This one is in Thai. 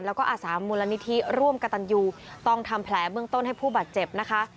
แล้วก็อาสามูลนิธิร่วมกระตันยูต้องทำแผลเบื้องต้นให้ผู้บาดเจ็บนะคะ